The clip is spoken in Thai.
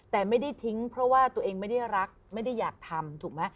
แต่ไม่ได้ทิ้งเพราะว่าตัวเองไม่ได้รักไม่ได้อยากทำถูกไหม